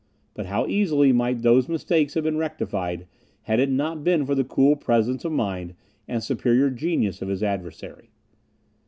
But how easily might those mistakes have been rectified, had it not been for the cool presence of mind and superior genius of his adversary!